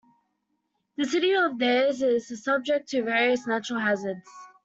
The city of Thiers is subject to various natural hazards.